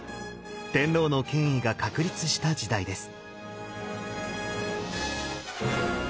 天皇の権威が確立した時代です。